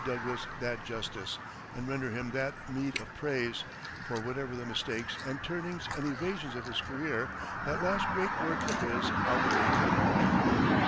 Douglas, that justice, and render him that meed of praise; for whatever the mistakes and turnings and evasions of his career, that last great work of his outweighed them all.